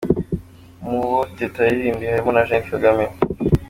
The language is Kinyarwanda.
Mu bo Teta yaririmbiye harimo na Jeanette Kagame.